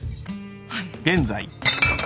はい